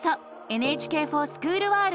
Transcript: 「ＮＨＫｆｏｒＳｃｈｏｏｌワールド」へ！